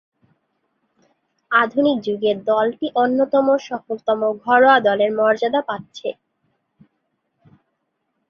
আধুনিক যুগে দলটি অন্যতম সফলতম ঘরোয়া দলের মর্যাদা পাচ্ছে।